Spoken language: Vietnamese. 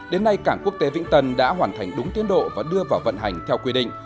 đến nay cảng quốc tế vĩnh tân đã hoàn thành đúng tiến độ và đưa vào vận hành theo quy định